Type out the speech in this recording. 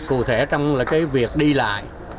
cụ thể trong việc đi lại